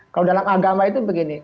kalau dalam agama itu begini